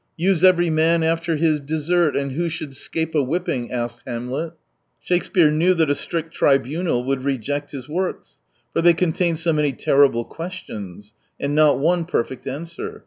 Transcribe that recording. " Use every man after his desert, and who should 'scape a whipping f " asked Hamlet. Shakespeare knew that a strict tribunal would reject his works : for they contain so many terrible questions, and not one perfect answer.